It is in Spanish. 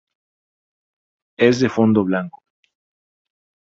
Es de fondo blanco.